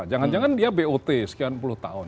jangan jangan dia bot sekian puluh tahun